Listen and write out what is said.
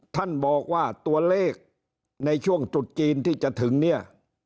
ท่านบอกว่าตัวเลขในช่วงตรุษจีนที่จะถึงเนี่ย